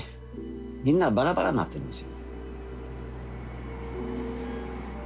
みんなバラバラになってるんですよ。